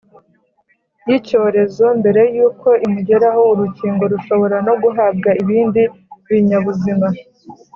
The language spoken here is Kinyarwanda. y’icyorezo mbere y’uko imugeraho (urukingo rushobora no guhabwa ibindi binyabuzima)